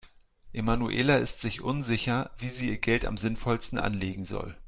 Emanuela ist sich unsicher, wie sie ihr Geld am sinnvollsten anlegen soll.